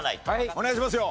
お願いしますよ。